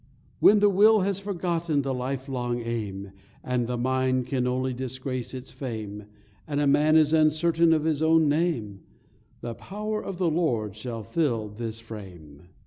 2 When the will has forgotten the life long aim, And the mind can only disgrace its fame, And a man is uncertain of his own name, The power of the Lord shall fill this frame.